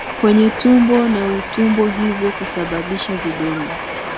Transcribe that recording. kwenye tumbo na utumbo hivyo kusababisha vidonda